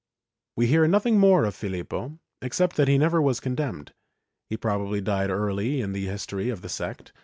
^ We hear nothing more of Filippo, except that he never was condemned. He probably died early in the history of the sect ' MSS.